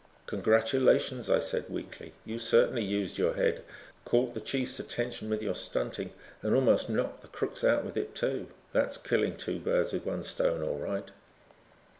"Congratulations," I said weakly. "You certainly used your head. Caught the chief's attention with your stunting and almost knocked the crooks out with it too. That's killing two birds with one stone, all right."